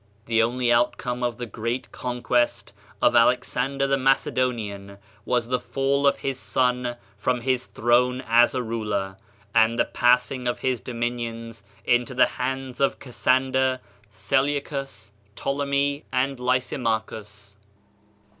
The only outcome of the great conquest of Alexander the Macedonian was the fall of his son from his throne as a ruler; and the passing of his dominions into the hands of Cassander, Seleucus, Ptolemy, and Lysimachus.